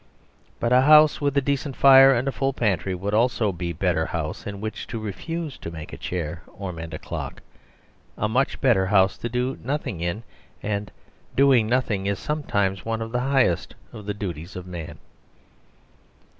But a house with a decent fire and a full pantry would also be a better house in which to refuse to make a chair or mend a clock a much better house to do nothing in and doing nothing is sometimes one of the highest of the duties of man.